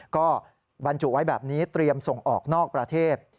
ก็บรรจุไว้แบบนี้เตรียมส่งออกนอกประเทศ